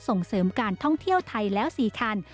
ส่งเสริมการท่องเที่ยวไทยแล้ว๔คัน